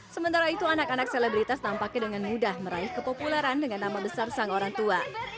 sementara itu anak anak selebritas tampaknya dengan mudah meraih kepopuleran dengan nama besar sang orang tua